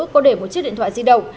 có để một chiếc điện thoại di động